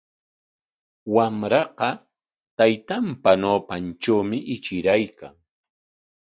Wamraqa taytanpa ñawpantrawmi ichiraykan.